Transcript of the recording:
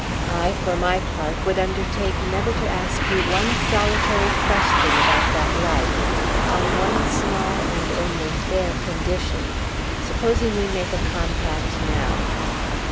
I, for my part, would undertake never to ask you one solitary question about that life on one small and only fair condition. Supposing we make a compact now?"